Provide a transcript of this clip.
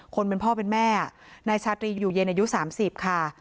คนเป็นพ่อเป็นแม่นายชาตรีอยู่เย็นอายุ๓๐ค่ะ